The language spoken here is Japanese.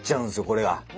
これが。